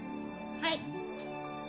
はい。